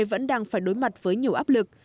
vẫn đang phải đối mặt với nhiều áp lực